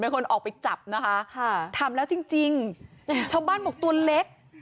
เป็นคนออกไปจับนะคะค่ะทำแล้วจริงจริงชาวบ้านบอกตัวเล็ก